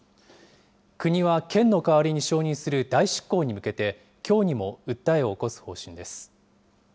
国は県の代わりに承認する代執行に向けて、きょうにも訴えを起こす方針です。